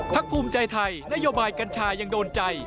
ภูมิใจไทยนโยบายกัญชายังโดนใจ